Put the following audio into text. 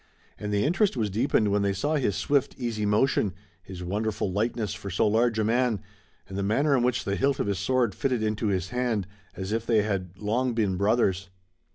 And the interest was deepened when they saw his swift, easy motion, his wonderful lightness for so large a man, and the manner in which the hilt of his sword fitted into his hand, as if they had long been brothers.